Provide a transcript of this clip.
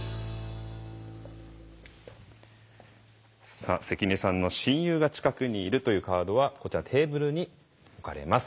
さあ関根さんの「親友が近くにいる」というカードはこちらテーブルに置かれます。